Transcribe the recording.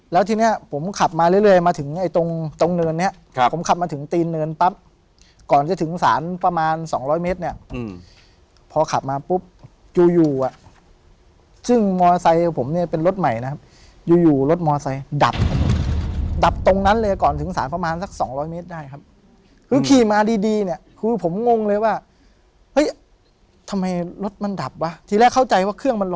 แล้วทีเนี้ยผมขับมาเรื่อยมาถึงไอ้ตรงตรงเนินเนี้ยครับผมขับมาถึงตีนเนินปั๊บก่อนจะถึงศาลประมาณสองร้อยเมตรเนี่ยพอขับมาปุ๊บอยู่อยู่อ่ะซึ่งมอไซค์ผมเนี่ยเป็นรถใหม่นะครับอยู่อยู่รถมอไซค์ดับดับตรงนั้นเลยก่อนถึงสารประมาณสักสองร้อยเมตรได้ครับคือขี่มาดีดีเนี่ยคือผมงงเลยว่าเฮ้ยทำไมรถมันดับวะทีแรกเข้าใจว่าเครื่องมัน